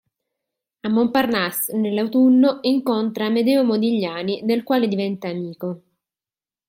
A Montparnasse, nell’autunno, incontra Amedeo Modigliani del quale diventa amico.